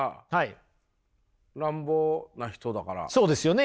そうですよね